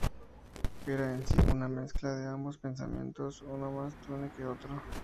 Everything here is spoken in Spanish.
Era, en sí, una mezcla de ambos pensamientos, uno más tenue que otro.